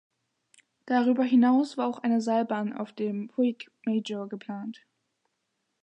Darüber hinaus war auch eine Seilbahn auf den Puig Major geplant.